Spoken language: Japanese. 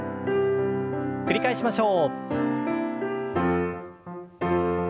繰り返しましょう。